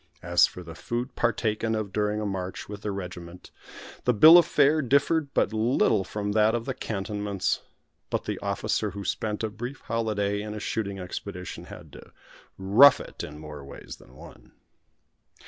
As for the food partaken of during a march with the regiment, the bill of fare differed but little from that of the cantonments; but the officer who spent a brief holiday in a shooting expedition had to "rough it" in more ways than one.